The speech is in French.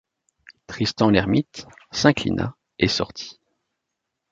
Tristan l’Hermite s’inclina et sortit.